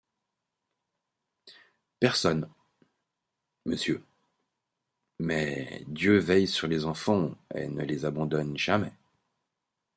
Personne, Monsieur, mais Dieu veille sur les enfants et ne les abandonne jamais!